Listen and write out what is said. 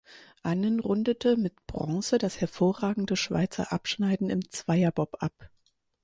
Annen rundete mit Bronze das hervorragende Schweizer Abschneiden im Zweierbob ab.